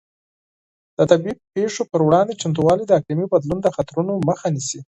د طبیعي پېښو پر وړاندې چمتووالی د اقلیمي بدلون د خطرونو مخه نیسي.